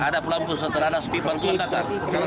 ada pelampung setelah ada speedboat aku datang